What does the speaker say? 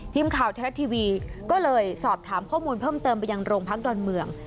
ทีมข่าวไทยรัฐทีวีก็เลยสอบถามข้อมูลเพิ่มเติมไปยังโรงพักดอนเมือง